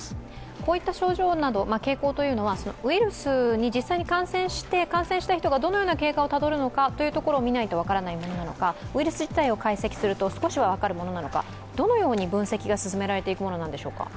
こういった傾向というのはウイルスに実際に感染した人がどのような経過をたどるのかを見ないと分からないものなのか、ウイルス自体を解析すると、少しは分かるものなのか、どのように分析が進められていくものなんでしょうか。